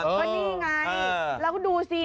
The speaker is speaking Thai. ก็นี่ไงแล้วก็ดูสิ